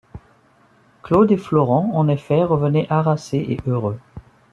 Claude et Florent, en effet, revenaient harassés et heureux.